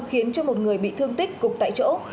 khiến cho một người bị thương tích cục tại chỗ